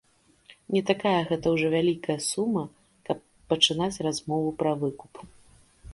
Не такая гэта ўжо вялікая сума, каб пачынаць размову пра выкуп.